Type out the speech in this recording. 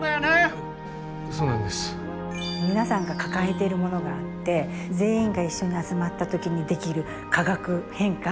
皆さんが抱えているものがあって全員が一緒に集まった時にできる化学変化